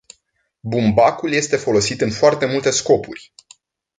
Bumbacul este folosit în foarte multe scopuri.